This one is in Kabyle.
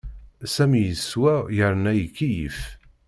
Sami yeswa yerna ikeyyef.